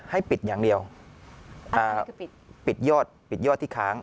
ให้ปิดอย่างเดียวอ่าอะไรคือปิดปิดยอดปิดยอดที่ค้าง